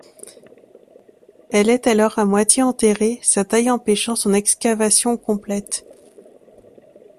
Elle est alors à moitié enterrée, sa taille empêchant son excavation complète.